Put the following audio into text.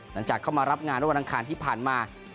หลังจากเข้ามารับงานร่วมรังคาญที่ผ่านมา